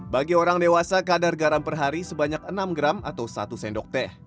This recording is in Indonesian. bagi orang dewasa kadar garam per hari sebanyak enam gram atau satu sendok teh